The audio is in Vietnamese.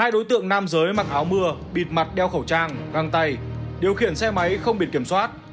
lới mặc áo mưa bịt mặt đeo khẩu trang găng tay điều khiển xe máy không bịt kiểm soát